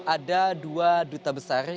ada dua duta besar